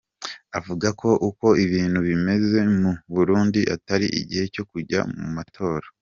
Avuga ko uko ibintu bimeze mu Burundi atari igihe cyo kujya mu matora.